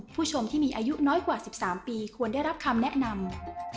ผู้ชมที่มีอายุน้อยกว่า๑๓ปีควรได้รับคำแนะนำ